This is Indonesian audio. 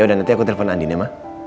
yaudah nanti aku telepon andien ya ma